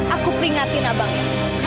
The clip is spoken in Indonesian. aku peringatin abang ya